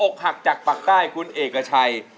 หักจากปากใต้คุณเอกชัย